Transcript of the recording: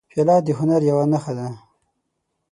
پیاله د هنر یوه نښه ده.